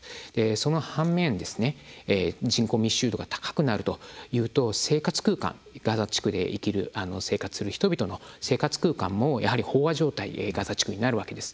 その反面人口密集度が高くなるというとガザ地区で生きる生活する人々の生活空間もやはり飽和状態ガザ地区になるわけです。